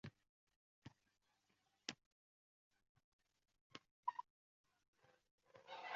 Ona yurting esa yildan-yilga sendan uzoqlashib bordi